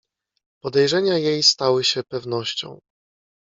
"Podejrzenia jej stały się pewnością."